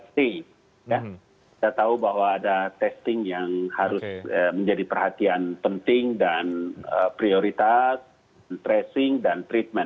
kita tahu bahwa ada testing yang harus menjadi perhatian penting dan prioritas tracing dan treatment